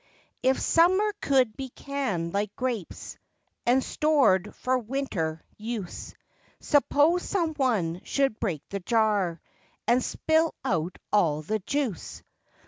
If "Summer could be canned like grapes" And "stored" for "Winter" use— Suppose someone should break the jar And spill out all the juice?